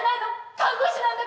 看護師なんだから！